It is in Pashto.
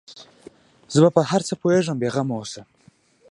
زه په هر څه پوهېږم بې غمه اوسه.